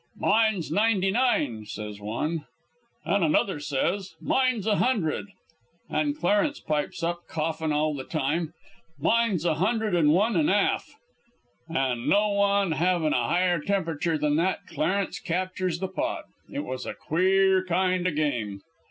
"'Mine's ninety nine,' says one. "An' another says: "'Mine's a hundred.' "An' Clarence pipes up coughin' all the time: "'Mine's a hundred 'n one 'n 'alf.' "An', no one havin' a higher tempriture than that, Clarence captures the pot. It was a queer kind o' game.